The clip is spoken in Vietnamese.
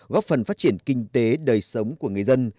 góp phần phát triển kinh tế đời sống của người dân